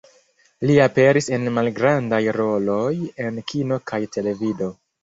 Li aperis en malgrandaj roloj en kino kaj televido.